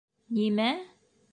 — Нимә?